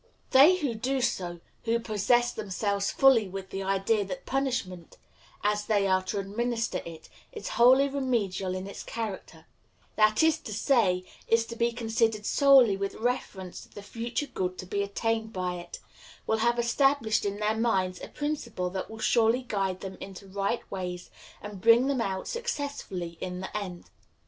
They who do so, who possess themselves fully with the idea that punishment, as they are to administer it, is wholly remedial in its character that is to say, is to be considered solely with reference to the future good to be attained by it, will have established in their minds a principle that will surely guide them into right ways, and bring them out successfully in the end.